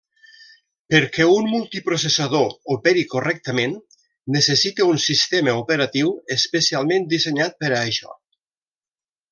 Perquè un multiprocessador operi correctament necessita un sistema operatiu especialment dissenyat per a això.